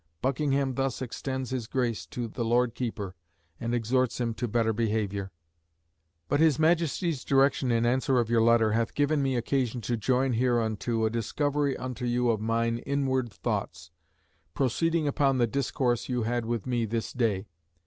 Buckingham thus extends his grace to the Lord Keeper, and exhorts him to better behaviour: "But his Majesty's direction in answer of your letter hath given me occasion to join hereunto a discovery unto you of mine inward thoughts, proceeding upon the discourse you had with me this day.